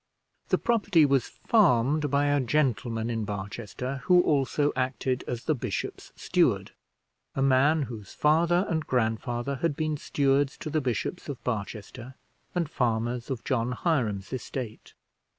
The property was farmed by a gentleman in Barchester, who also acted as the bishop's steward, a man whose father and grandfather had been stewards to the bishops of Barchester, and farmers of John Hiram's estate.